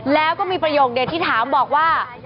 แล้วก็มีประโยคเด็ดที่ถามบอกว่า